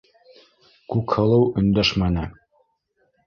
Күкһылыу өндәшмәне.